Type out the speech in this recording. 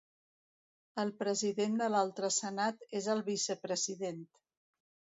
El president de l'altre senat és el vicepresident.